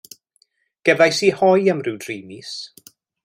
Gefais i hoe am rhyw dri mis.